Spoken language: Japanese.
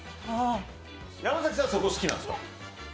山崎さんはそこ好きなんですか。